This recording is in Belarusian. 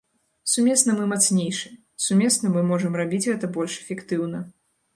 Сумесна мы мацнейшыя, сумесна мы можам рабіць гэта больш эфектыўна.